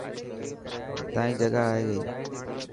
تائن جگا آئي گئي.